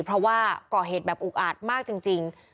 เพราะว่าก่อเหตุแบบอุกอาจมากจริง